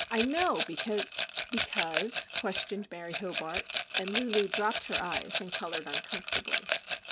I know, because——" "Because?" questioned Mary Hobart. And Lulu dropped her eyes, and coloured uncomfortably.